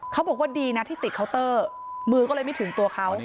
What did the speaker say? เขาบอกว่าดีนะที่ติดเคาน์เตอร์มือก็เลยไม่ถึงตัวเขา